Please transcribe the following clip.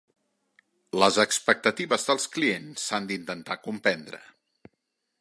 Les expectatives dels clients s'han d'intentar comprendre.